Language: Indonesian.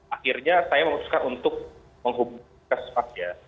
akhirnya saya memutuskan untuk menghubungi kespat ya